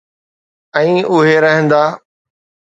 ۽ اھي رھندا.